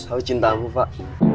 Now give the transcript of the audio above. hau cintamu pak